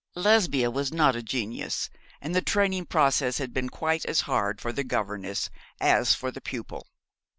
Lesbia was not a genius, and the training process had been quite as hard for the governess as for the pupil.